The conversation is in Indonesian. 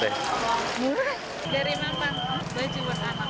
baju buat anak